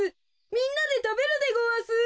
みんなでたべるでごわす。